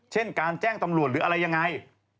เช่นการแจ้งตำรวจหรืออะไรยังไง